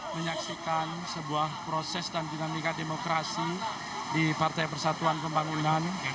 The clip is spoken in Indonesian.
menyaksikan sebuah proses dan dinamika demokrasi di partai persatuan pembangunan